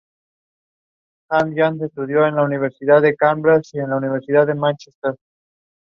The Eden Ramblers also pulled out at the same time.